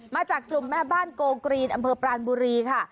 มาจากกลุ่มแม่บ้านโกกรีนอำเภอปรานบุรีค่ะ